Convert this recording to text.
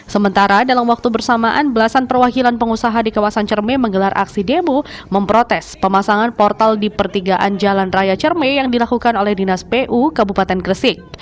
sementara dalam waktu bersamaan belasan perwakilan pengusaha di kawasan cermai menggelar aksi demo memprotes pemasangan portal di pertigaan jalan raya cermai yang dilakukan oleh dinas pu kabupaten gresik